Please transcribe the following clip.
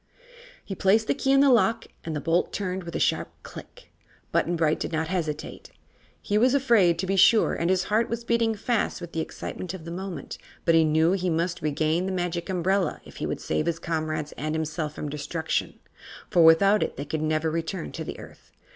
He placed the key in the lock and the bolt turned with a sharp click. Button Bright did not hesitate. He was afraid, to be sure, and his heart was beating fast with the excitement of the moment, but he knew he must regain the Magic Umbrella if he would save his comrades and himself from destruction, for without it they could never return to the Earth.